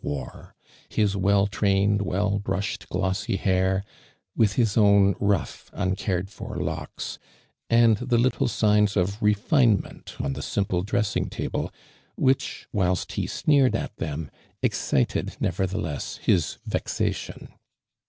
pre ; his well trained, well brushed, glossy hair, with his own rough, uncared for locks ; and the little signs of refinement on the simple dressing table, which, whilst he sneered at them, excited, nevertheless, his vexation.